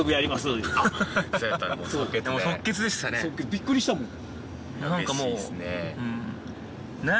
びっくりしたもん。